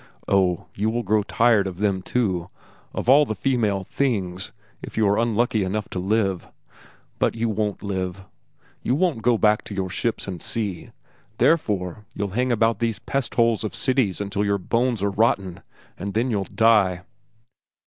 Oh, you will grow tired of them, too, of all the female things, if you are unlucky enough to live. But you won't live. You won't go back to your ships and sea; therefore, you'll hang around these pest holes of cities until your bones are rotten, and then you'll die."